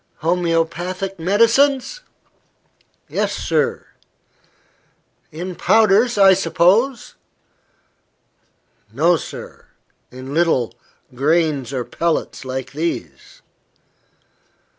"Homoeopathic medicines?" "Yes, sir." "In powders, I suppose?" "No, sir; in little, grains or pellets, like these."